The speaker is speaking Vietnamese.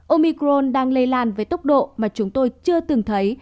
omicron đang lây lan với tốc độ mà chúng tôi chưa từng thấy